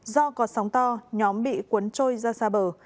do có sóng to nhóm bị cuốn trôi ra xa bờ